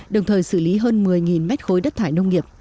đồng thời xử lý hơn một triệu đồng